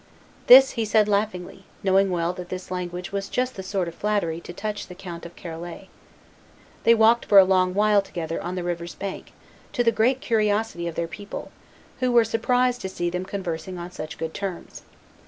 This he said laughingly, knowing well that this language was just the sort of flattery to touch the Count of Charolais. They walked for a long while together on the river's bank, to the great curiosity of their people, who were surprised to see them conversing on such good terms.